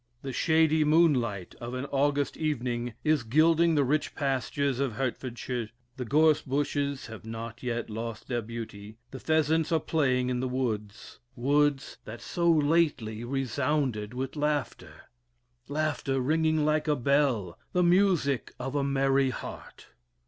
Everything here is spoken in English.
The shady moonlight of an August evening is gilding the rich pastures of Hertfordshire; the gorse bushes have not yet lost their beauty, the pheasants are playing in the woods woods that so lately resounded with laughter laughter ringing like a bell the music of a merry heart.